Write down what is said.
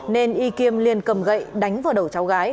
nên y kiêm liên cầm gậy đánh vào đầu cháu gái